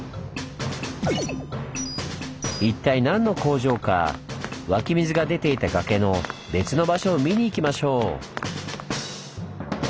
一体何の工場か湧き水が出ていた崖の別の場所を見に行きましょう。